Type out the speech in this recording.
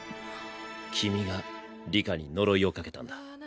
君が里香に呪いをかけたんだ。